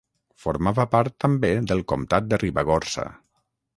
Formava part també del Comtat de Ribagorça.